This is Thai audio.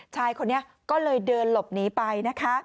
ชายคนนี้ก็เลยเดินหลบหนีไปนะคะ